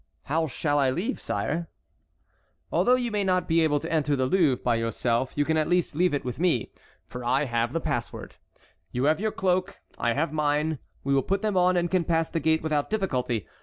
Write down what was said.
"How shall I leave, sire?" "Although you may not be able to enter the Louvre by yourself, you can at least leave it with me, for I have the password. You have your cloak, I have mine; we will put them on and can pass the gate without difficulty.